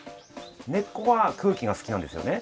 根っこは空気が好きなんですよね。